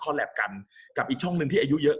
กับการสตรีมเมอร์หรือการทำอะไรอย่างเงี้ย